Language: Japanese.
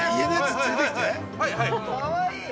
◆かわいい。